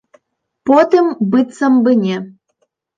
Потым, быццам бы, не.